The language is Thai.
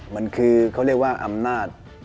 มันคือเขาเรียกว่าอำนาจ